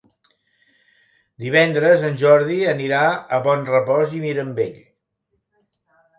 Divendres en Jordi anirà a Bonrepòs i Mirambell.